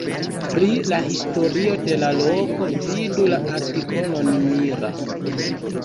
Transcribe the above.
Pri la historio de la loko vidu la artikolon Mira.